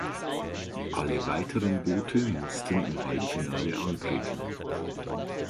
Alle weiteren Boote mussten im Halbfinale antreten.